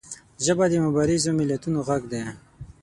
ژبه د مبارزو ملتونو غږ دی